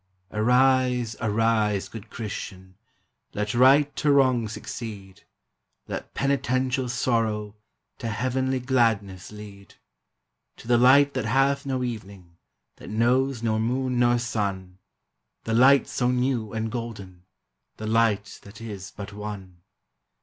Arise, arise, good Christian, Let right to wrong succeed ; Let penitential sorrow To heavenly gladness lead, — To the light that hath no evening, That knows nor moon nor sun, The light so new and golden, The light that is but one.